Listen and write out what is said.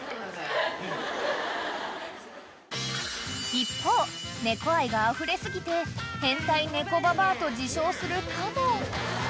［一方猫愛があふれ過ぎてヘンタイ猫ババアと自称する嘉門］